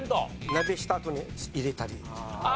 鍋したあとに入れたり。